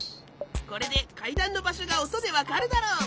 これでかいだんのばしょがおとでわかるだろう！